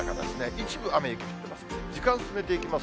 一部、雨、雪、降ってます。